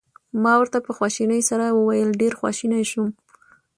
ما ورته په خواشینۍ سره وویل: ډېر خواشینی شوم.